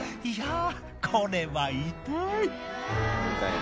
いやこれは痛い！